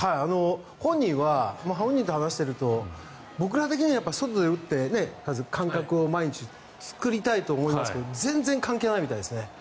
本人は本人と話していると、僕ら的には外で打って感覚を毎日作りたいと思いますけど全然関係ないみたいですね。